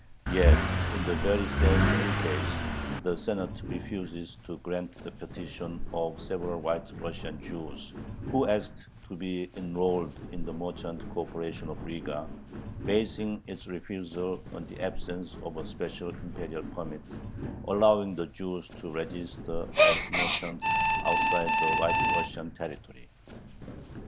Yet in the very same ukase the Senate refuses to grant the petition of several White Russian Jews who asked to be enrolled in the merchant corporation of Riga, basing its refusal on the absence of a special Imperial permit allowing the Jews to register as merchants outside of White Russian territory.